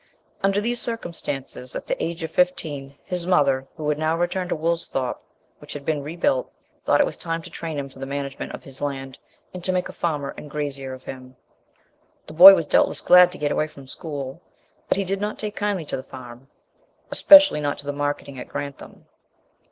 Under these circumstances, at the age of fifteen, his mother, who had now returned to Woolsthorpe, which had been rebuilt, thought it was time to train him for the management of his land, and to make a farmer and grazier of him. The boy was doubtless glad to get away from school, but he did not take kindly to the farm especially not to the marketing at Grantham.